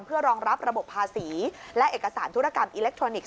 เพื่อรองรับระบบภาษีและเอกสารธุรกรรมอิเล็กทรอนิกส